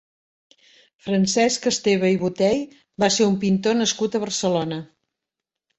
Francesc Esteve i Botey va ser un pintor nascut a Barcelona.